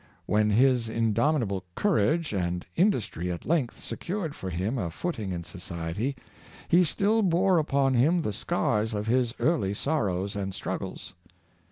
When his indomita table courage and industry at length secured for him a footing in society, he still bore upon him the scars of his early sorrows and struggles.